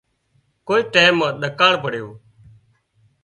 ڪوئي ٽيم مان ۮڪاۯ پڙيو